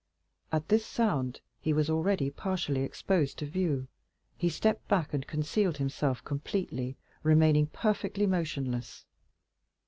At this sound, as he was already partially exposed to view, he stepped back and concealed himself completely, remaining perfectly motionless.